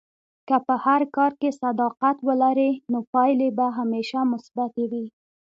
که په هر کار کې صداقت ولرې، نو پایلې به همیشه مثبتې وي.